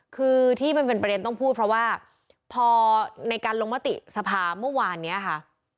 คือที่มันเป็นประเด็นต้องพูดเพราะว่าพอในการลงมติสภาเมื่อวานนี้ค่ะ